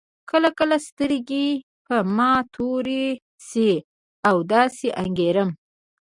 کله کله سترګې په ما تورې شي او داسې انګېرم.